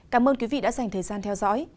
cảm ơn quý vị đã dành thời gian theo dõi